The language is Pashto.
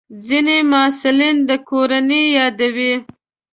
ځینې محصلین د کورنۍ یادوي.